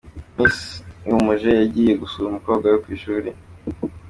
Misa ihumuje yagiye gusura umukobwa we ku ishuri.